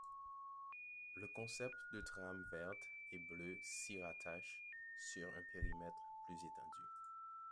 Le concept de Trame verte et bleue s'y rattache, sur un périmètre plus étendu.